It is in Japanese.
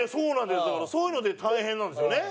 だからそういうので大変なんですよね。